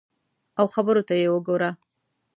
او خبرو ته یې وګوره !